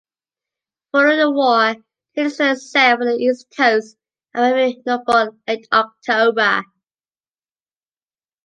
Following the war "Kennison" sailed for the East Coast, arriving Norfolk late October.